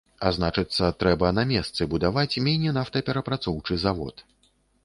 А значыцца, трэба на месцы будаваць міні-нафтаперапрацоўчы завод.